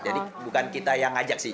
jadi bukan kita yang ngajak sih